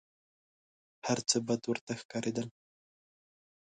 هر څه بد ورته ښکارېدل .